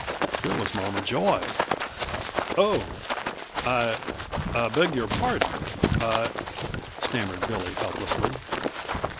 It was Mama Joy. "Oh, I I beg your pardon I " stammered Billy helplessly.